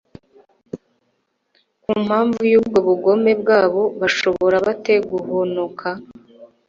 Ku mpamvu y’ubwo bugome bwabo bashobora bate guhonoka?